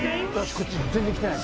こっち全然来てない。